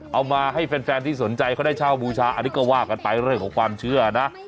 เอามาให้แฟนที่สนใจเขาได้เช่าบูชาอันนี้ก็ว่ากันไปเรื่องของความเชื่อนะ